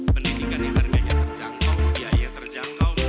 pendidikan yang harganya terjangkau biaya terjangkau